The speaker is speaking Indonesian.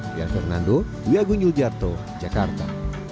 diak fernando duyagun yuljarto jakarta